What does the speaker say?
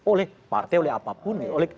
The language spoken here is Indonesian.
oleh partai oleh apapun